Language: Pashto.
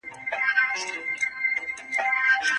هر ماشوم باید خپل مسواک او ږمنځ ولري.